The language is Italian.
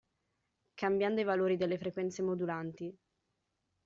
Cambiando i valori delle frequenze modulanti.